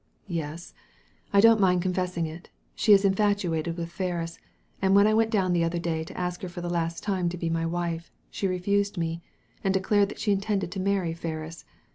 "Yes! I don't mind confessing it She is in fatuated with Ferris, and when I went down the other day to ask her for the last time to be my wife, she refused me, and declared that she in tended to marry Ferris.